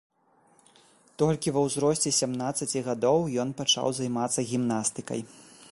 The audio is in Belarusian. Толькі ва ўзросце сямнаццаці гадоў ён пачаў займацца гімнастыкай.